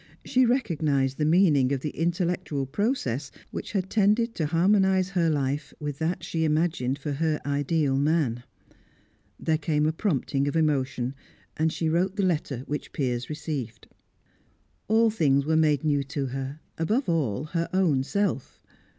She recognised the meaning of the intellectual process which had tended to harmonise her life with that she imagined for her ideal man. There came a prompting of emotion, and she wrote the letter which Piers received. All things were made new to her; above all, her own self.